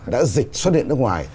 đã dịch xuất hiện nước ngoài